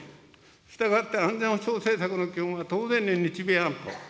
したがって、安全保障政策の基本は当然に日米安保。